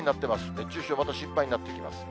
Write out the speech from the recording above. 熱中症、また心配になってきます。